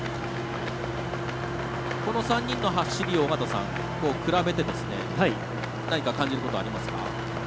この３人の走り、比べて何か感じることはありますか？